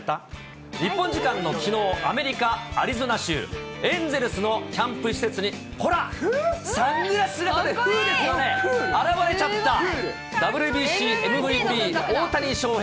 日本時間のきのう、アメリカ・アリゾナ州、エンゼルスのキャンプ施設に、ほら、サングラスがいいですよね、現れちゃった、ＷＢＣ、ＭＶＰ、大谷翔平。